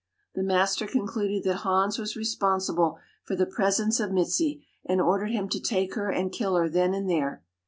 The master concluded that Hans was responsible for the presence of Mizi and ordered him to take her and kill her then and there.